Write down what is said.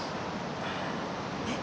えっ？